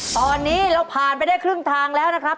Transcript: ตอนนี้เราผ่านไปได้ครึ่งทางแล้วนะครับ